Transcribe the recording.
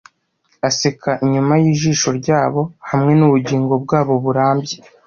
aseka inyuma yijisho ryabo hamwe nubugingo bwabo burabye